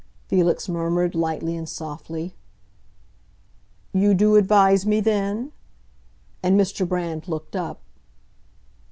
Felix murmured, lightly and softly. "You do advise me, then?" And Mr. Brand looked up.